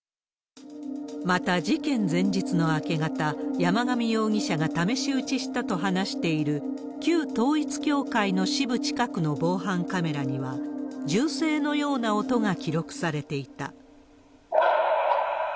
また、事件前日の明け方、山上容疑者が試し撃ちをしたと話している旧統一教会の支部近くの防犯カメラには、銃声のような音が記録されていた。